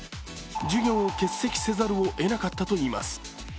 授業を欠席せざるをえなかったといいます。